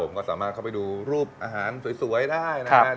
ก็สามารถเข้าไปดูรูปอาหารสวยได้นะครับ